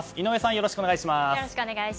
よろしくお願いします。